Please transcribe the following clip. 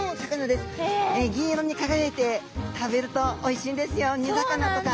銀色に輝いて食べるとおいしいんですよ煮魚とか。